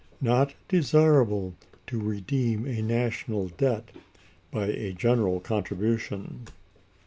Not desirable to redeem a national Debt by a general Contribution.